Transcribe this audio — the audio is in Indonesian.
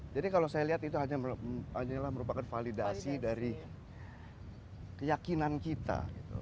jadi kalau saya lihat itu hanyalah validasi dari keyakinan kita